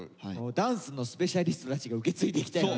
ダンスのスペシャリストたちが受け継いできたような。